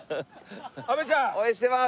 阿部ちゃん。応援してます。